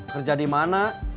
kerja di mana